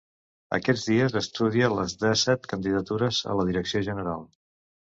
Aquests dies estudia les dèsset candidatures a la direcció general.